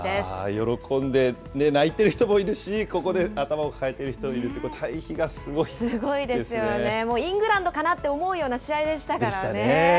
喜んでね、泣いている人もいるし、ここで頭を抱えてる人もいすごいですよね、イングランドかなと思うような試合でしたからね。